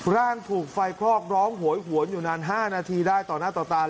ร่างถูกไฟคลอกร้องโหยหวนอยู่นาน๕นาทีได้ต่อหน้าต่อตา